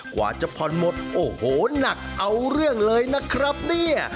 กว่าจะผ่อนหมดโอ้โหหนักเอาเรื่องเลยนะครับเนี่ย